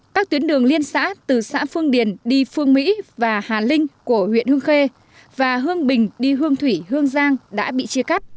các tuyến đường liên xã từ xã phương điền đi phương mỹ và hà linh của huyện hương khê và hương bình đi hương thủy hương giang đã bị chia cắt